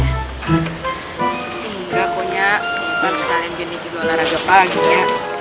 enggak pokoknya harus kalian jenis juga olahraga pagi nya